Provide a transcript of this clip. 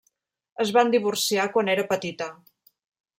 Es van divorciar quan era petita.